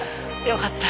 よかった。